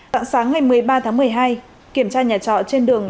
tạng sáng ngày một mươi ba tháng một mươi hai kiểm tra nhà trọ trên đường